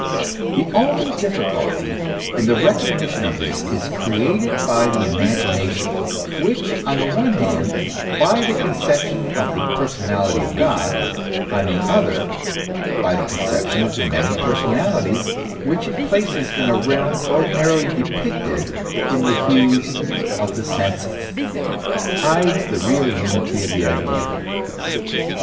The only difficulty in the recognition of this is created by the imagination, which, on the one hand by the conception of the personality of God, on the other by the conception of the many personalities which it places in a realm ordinarily depicted in the hues of the senses, hides the real unity of the idea.